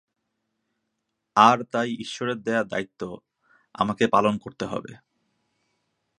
আর তাই ঈশ্বরের দেয়া দায়িত্ব আমাকে পালন করতে হবে।